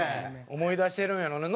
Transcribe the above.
思い出してるんやろうな。